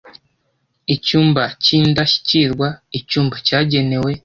Icyumba cy’indashyikirwa: Icyumba cyagenewe